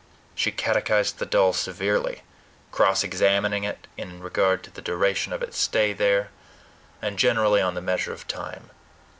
She catechized the doll severely, cross examining it in regard to the duration of its stay there, and generally on the measure of time.